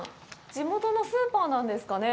地元のスーパーなんですかね。